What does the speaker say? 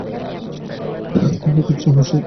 তোমরা খুবই সাহসী।